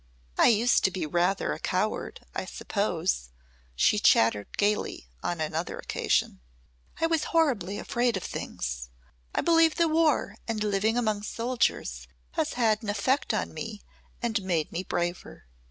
"I used to be rather a coward, I suppose," she chattered gaily on another occasion. "I was horribly afraid of things. I believe the War and living among soldiers has had an effect on me and made me braver.